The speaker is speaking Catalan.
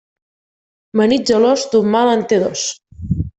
Marit gelós, d'un mal en té dos.